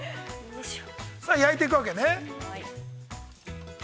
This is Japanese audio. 焼いていくわけね。